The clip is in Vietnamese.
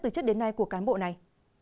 từ trước đến nay của cán bộ này